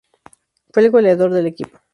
Fue el goleador del equipo.